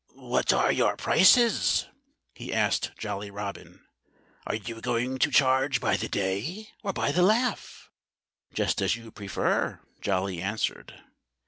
"What are your prices?" he asked Jolly Robin. "Are you going to charge by the day or by the laugh?" "Just as you prefer!" Jolly answered.